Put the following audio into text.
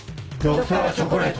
Ｄｒ．チョコレート。